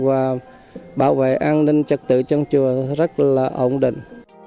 và bảo vệ an ninh trật tự trong chùa rất là ổn định